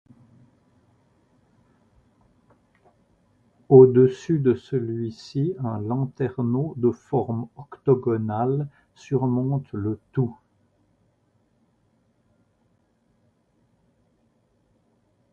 Au-dessus de celui-ci un lanterneau de forme octogonale surmonte le tout.